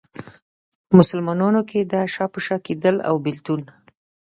په مسلمانانو کې دا شا په شا کېدل او بېلتون.